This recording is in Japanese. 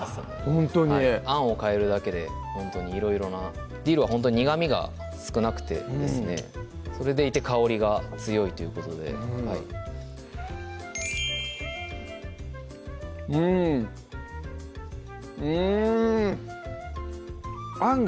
ほんとにあんを変えるだけでほんとにいろいろなディルはほんと苦みが少なくてそれでいて香りが強いということでうんうん！